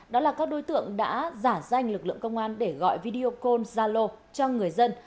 đó là các đối tượng đã giả danh lực lượng công an để gọi video cal zalo cho người dân